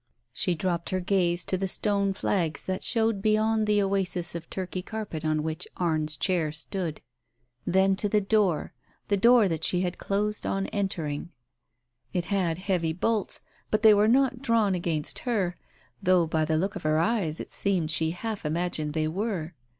She dropped her gaze to the stone flags that Digitized by Google 128 TALES OF THE UNEASY showed beyond the oasis of Turkey carpet on which Arne's chair stood. ... Then to the door, the door that she had closed on entering. It had heavy bolts, but they were not drawn against her, though by the look of her eyes it seemed she half imagined they were.